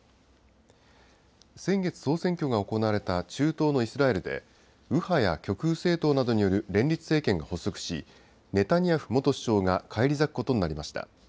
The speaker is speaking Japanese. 先月、総選挙が行われた中東のイスラエルで、右派や極右政党などによる連立政権が発足し、ネタニヤフ元首相が返り咲くことになりました。